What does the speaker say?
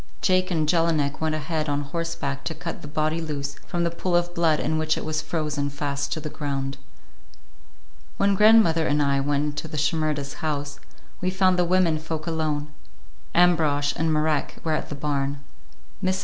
Jake and Jelinek went ahead on horseback to cut the body loose from the pool of blood in which it was frozen fast to the ground. When grandmother and I went into the Shimerdas' house, we found the women folk alone; Ambrosch and Marek were at the barn. Mrs.